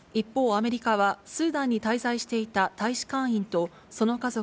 、アメリカはスーダンに滞在していた大使館員とその家族